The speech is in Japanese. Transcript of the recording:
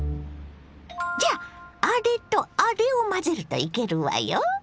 じゃああれとあれを混ぜるといけるわよ！